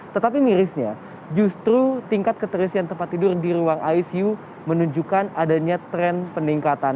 tetapi mirisnya justru tingkat keterisian tempat tidur di ruang icu menunjukkan adanya tren peningkatan